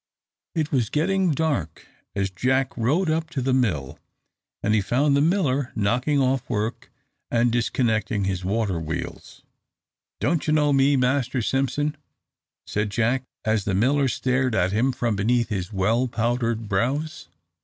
It was getting dark as Jack rode up to the mill, and he found the miller knocking off work and disconnecting his water wheels. "Don't you know me, Master Simpson?" said Jack, as the miller stared at him from beneath his well powdered brows.